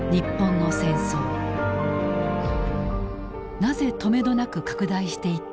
なぜとめどなく拡大していったのか。